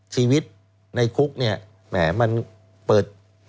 ชีวิตในคุกเนี่ยแหมมันเปิด